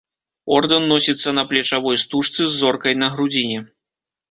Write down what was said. Ордэн носіцца на плечавой стужцы з зоркай на грудзіне.